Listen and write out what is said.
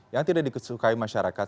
yang tidak disukai masyarakat